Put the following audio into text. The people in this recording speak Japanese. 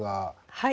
はい。